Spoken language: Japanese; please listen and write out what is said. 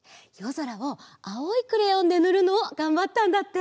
ぞらをあおいクレヨンでぬるのをがんばったんだって。